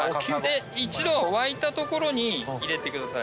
一度沸いた所に入れてください。